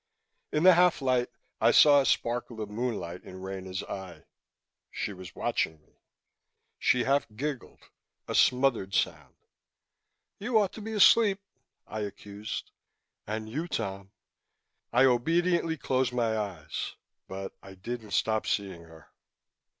In the half light, I saw a sparkle of moonlight in Rena's eye; she was watching me. She half giggled, a smothered sound. "You ought to be asleep," I accused. "And you, Tom." I obediently closed my eyes, but I didn't stop seeing her.